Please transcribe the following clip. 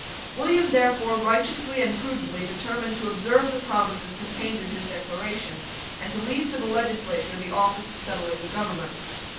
William therefore righteously and prudently determined to observe the promises contained in his Declaration, and to leave to the legislature the office of settling the government.